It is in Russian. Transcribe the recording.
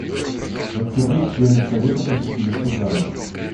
В октябре члены Совета посетили Судан.